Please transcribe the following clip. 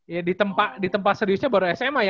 ya ditempa seriusnya baru sma ya